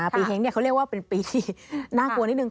เฮ้งเขาเรียกว่าเป็นปีที่น่ากลัวนิดนึ